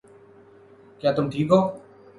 کیا تم ٹھیک ہو